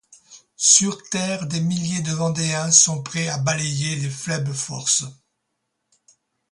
Sur terre des milliers de Vendéens sont prêts à balayer les faibles forces républicaines.